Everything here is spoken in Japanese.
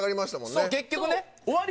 そう結局ね。